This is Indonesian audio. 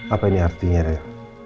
apa ini artinya ril